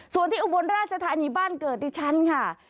ส่วนที่อุบลราชธานีบ้านเกิดดิฉันค่ะ